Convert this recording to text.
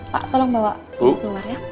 pak tolong bawa ibu keluar ya